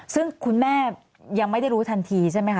ซึ่งคุณแม่ยังไม่ได้รู้ทันทีใช่ไหมค